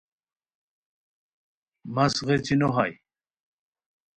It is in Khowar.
مس غیچی نو ہائے